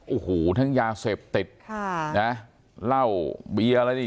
โอ้โหทั้งยาเสพติด